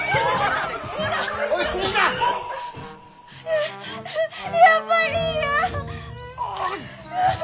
ああやっぱり嫌！